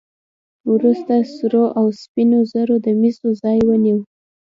وروسته سرو او سپینو زرو د مسو ځای ونیو.